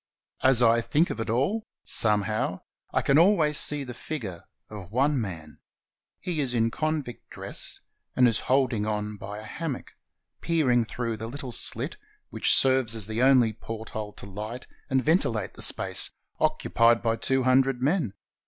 As I think of it all, somehow I can always see the figure of one man. He is in con vict's dress, and is holding on by a hammock, peering through the little sHt which serves as the only porthole to light and ventilate the space occupied by two hun dred men.